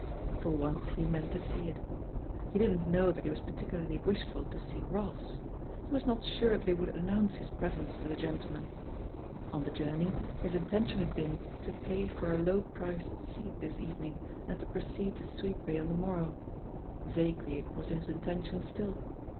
For once he meant to see it. He didn't know that he was particularly wishful to see Ross ; he was not sure that he would announce his pres ence to the gentleman. On the journey, his in tention had been to pay for a low priced seat this evening and to proceed to Sweetbay on the mor row — ^vaguely it was his intention still.